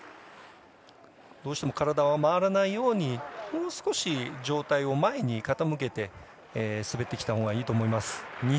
どうしても体が回らないように上体を前に傾けて滑っていったほうがいいと思います。